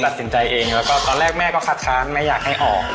สินใจเองแล้วก็ตอนแรกแม่ก็คัดค้านแม่อยากให้ออก